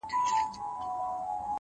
خپل کار په مینه ترسره کړئ،